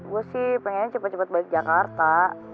gue sih pengen cepet cepet balik jakarta